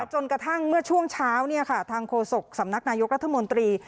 จนกระทั่งเมื่อช่วงเช้าทางโฆษกสำนักนายกรัฐมนตรี